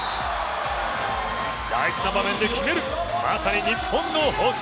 大事な場面で決める、まさに日本の星。